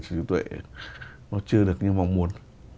trí tuệ nó chưa được như mong muốn